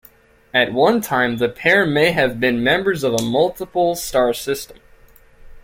At one time the pair may have been members of a multiple star system.